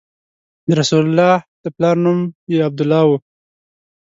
د رسول الله د پلار نوم یې عبدالله و.